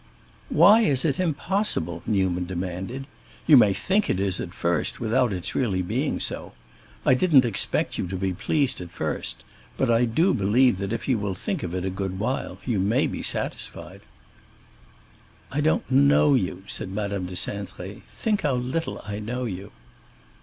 "Why is it impossible?" Newman demanded. "You may think it is, at first, without its really being so. I didn't expect you to be pleased at first, but I do believe that if you will think of it a good while, you may be satisfied." "I don't know you," said Madame de Cintré. "Think how little I know you."